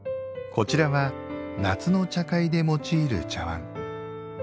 こちらは夏の茶会で用いる茶わん。